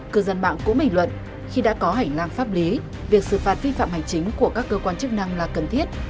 cư dân mạng cũng bình luận khi đã có hành lang pháp lý việc xử phạt vi phạm hành chính của các cơ quan chức năng là cần thiết